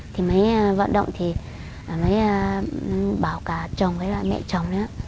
thì mới vận động thì mới bảo cả chồng với bà mẹ chồng nữa